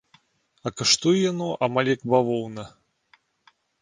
А каштуе яно амаль як бавоўна.